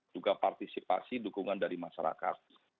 juga partisipasi dukungan dari masyarakat